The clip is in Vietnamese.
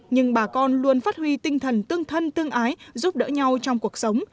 nhưng bà con luôn phát huy tinh thần tương thân tương ái giúp đỡ nhau trong cuộc sống